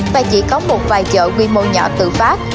và chỉ có một vài chợ quy mô nhỏ tự phát